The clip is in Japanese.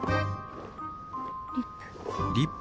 リップ。